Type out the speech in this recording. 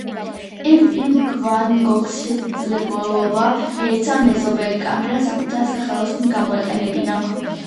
იქ ვან გოგს შესაძლებლობა მიეცა მეზობელი კამერა საკუთარ სახელოსნოდ გამოეყენებინა.